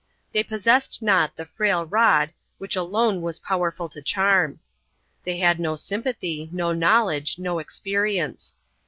They possessed not the frail rod which alone was powerful to charm. They had no sympathy, no knowledge, no experience.